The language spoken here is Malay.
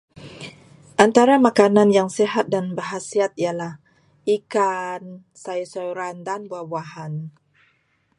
Antara makanan yang sihat dan berkhasiat ialah ikan, sayur-sayuran dan buah-buahan.